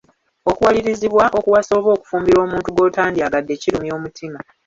Okuwalirizibwa okuwasa oba okufumbirwa omuntu gw'otandyagadde kirumya omutima.